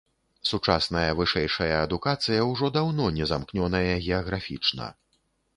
Сучасная вышэйшая адукацыя ўжо даўно не замкнёная геаграфічна.